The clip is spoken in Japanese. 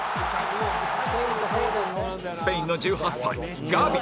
スペインの１８歳ガビ